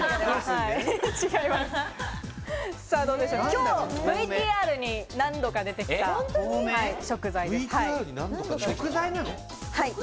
きょうＶＴＲに何度か出てきた食材です。